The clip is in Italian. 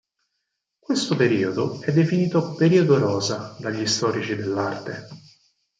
Questo periodo è definito "periodo rosa" dagli storici dell'arte.